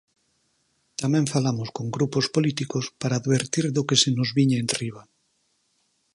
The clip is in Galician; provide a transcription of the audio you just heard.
Tamén falamos con grupos políticos para advertir do que se nos viña enriba.